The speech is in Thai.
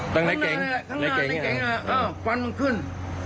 ตรงในเกงข้างหน้าในเกงฟันมันขึ้น